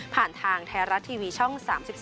ทางไทยรัฐทีวีช่อง๓๒